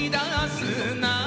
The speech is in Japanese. すな